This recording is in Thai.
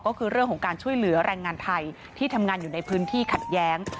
ก็คือเรื่องของการช่วยเหลือแรงงานไทยที่ทำงานอยู่ในพื้นที่ขัดแย้ง